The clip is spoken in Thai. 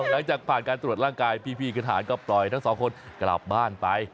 หลังจากผ่านการตรวจร่างกายพี่กระถานก็ปล่อยทั้งสองคนกลับบ้านไป